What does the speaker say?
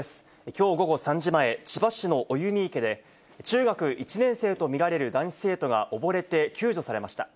きょう午後３時前、千葉市の生実池で、中学１年生と見られる男子生徒が溺れて救助されました。